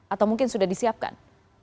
atau mungkin sudah disiapkan